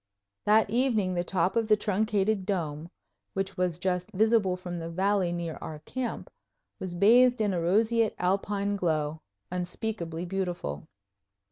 That evening the top of the truncated dome, which was just visible from the valley near our camp, was bathed in a roseate Alpine glow, unspeakably beautiful.